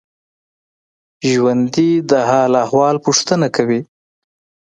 ژوندي د حال احوال پوښتنه کوي